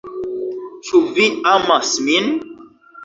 Ĉu vi amas min?